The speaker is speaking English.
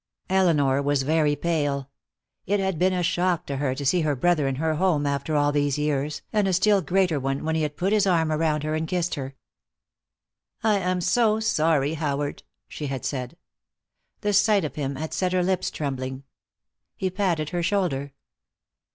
Elinor was very pale. It had been a shock to her to see her brother in her home after all the years, and a still greater one when he had put his arm around her and kissed her. "I am so sorry, Howard," she had said. The sight of him had set her lips trembling. He patted her shoulder.